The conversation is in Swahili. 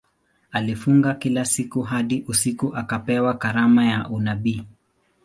Alifunga kila siku hadi usiku akapewa karama ya unabii.